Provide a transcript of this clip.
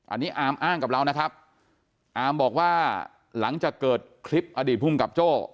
อันนี้อาร์มอ้างกับเรานะครับอามบอกว่าหลังจากเกิดคลิปอดีตภูมิกับโจ้